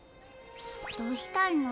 どうしたの？